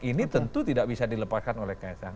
ini tentu tidak bisa dilepaskan oleh kaisang